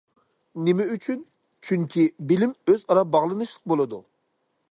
نېمە ئۈچۈن؟ چۈنكى، بىلىم ئۆز ئارا باغلىنىشلىق بولىدۇ.